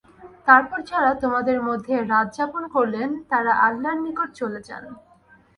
তারপর যারা তোমাদের মধ্যে রাত যাপন করলেন, তারা আল্লাহর নিকট চলে যান।